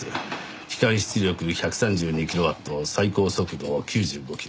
機関出力１３２キロワット最高速度は９５キロ。